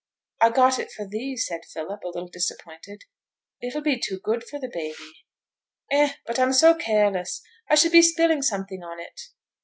'I got it for thee,' said Philip, a little disappointed. 'It'll be too good for the baby.' 'Eh! but I'm so careless, I should be spilling something on it?